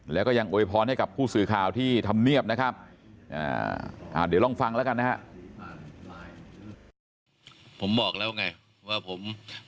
และก็ยังอวยพรให้กับผู้สื่อข่าวที่ทำเนียบนะครับ